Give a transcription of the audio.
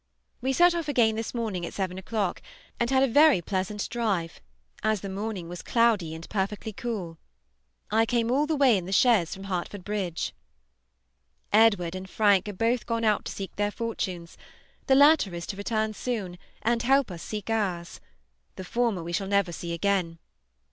We set off again this morning at seven o'clock, and had a very pleasant drive, as the morning was cloudy and perfectly cool. I came all the way in the chaise from Hertford Bridge. Edward and Frank are both gone out to seek their fortunes; the latter is to return soon and help us seek ours. The former we shall never see again.